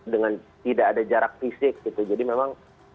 dengan tidak ada jarak fisik gitu jadi memang